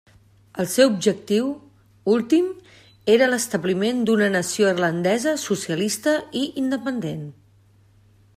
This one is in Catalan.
El seu objectiu últim era l'establiment d'una nació irlandesa socialista i independent.